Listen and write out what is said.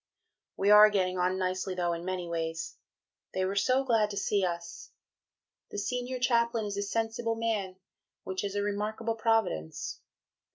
We are getting on nicely though in many ways. They were so glad to see us. The Senior Chaplain is a sensible man, which is a remarkable Providence....